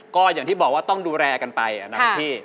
ก็อย่างที่บอกว่าต้องดูแลกันไปนะครับพี่